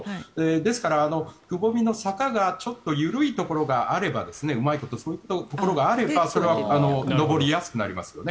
ですから、くぼみの坂がちょっと緩いところがあればうまいことそういったところがあればそれは上りやすくなりますよね。